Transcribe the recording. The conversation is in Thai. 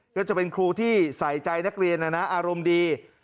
ก็จะเป็นครูที่ใส่ใจนักเรียนนะนะอารมณ์ดี